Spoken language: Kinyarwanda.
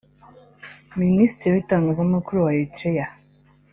Minisitiri w’itangazamakuru wa Eritrea